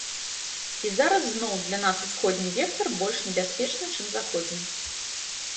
І зараз зноў для нас усходні вектар больш небяспечны, чым заходні.